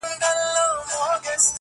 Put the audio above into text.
ټول عمر ښېرا کوه دا مه وايه.